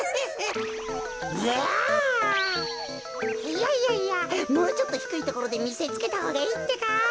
いやいやいやもうちょっとひくいところでみせつけたほうがいいってか。